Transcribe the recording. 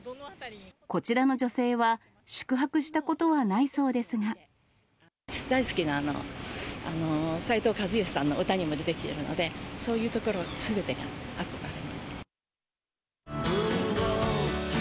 こちらの女性は、宿泊したこ大好きな、斉藤和義さんの歌にも出てきてるので、そういうところすべてが憧れ。